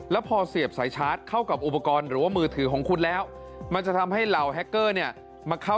แล้วพอเสียบสายชาร์จเข้ากับอุปกรณ์หรือว่ามือถือของคุณแล้วมันจะทำให้เหล่าแฮคเกอร์เนี่ยมาเข้า